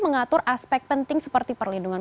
mengatur aspek penting seperti perlindungan